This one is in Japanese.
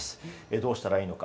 どうしたらいいのか。